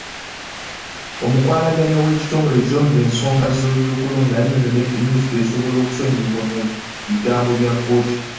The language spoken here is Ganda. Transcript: Omukwanaganya w'ekitongole ekirondoola ensonga z'okulonda, yannyonnyodde nti Minisita asobola okusonyiyibwa ku bigambo bya kkooti.